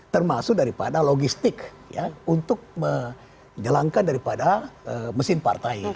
termasuk daripada logistik untuk menjalankan daripada mesin partai